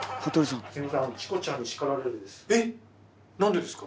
えっ⁉なんですか？